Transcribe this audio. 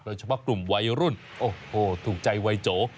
โดยเฉพาะกลุ่มวัยรุ่นโอ้โหถูกใจวัยโจ